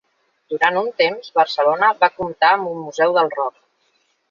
Durant un temps, Barcelona va comptar amb un Museu del Rock.